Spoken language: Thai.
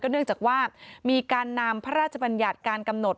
เนื่องจากว่ามีการนำพระราชบัญญัติการกำหนด